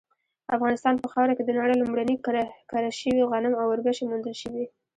افغانستان په خاوره کې د نړۍ لومړني کره شوي غنم او وربشې موندل شوي